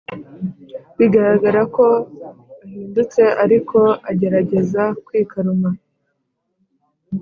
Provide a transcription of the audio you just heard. bigaragara ko ahindutse ariko agerageza kwikaruma